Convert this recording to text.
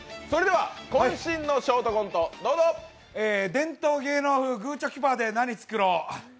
伝統芸能風グーチョキパーで何作ろう。